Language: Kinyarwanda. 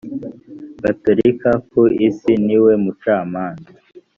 gatolika ku isi ni we mucamanza